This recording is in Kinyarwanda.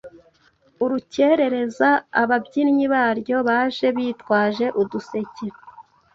Urukerereza. Ababyinnyi baryo baje bitwaje uduseke,